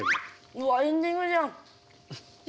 うわエンディングじゃん。